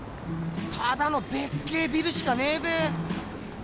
ただのでっけえビルしかねえべ。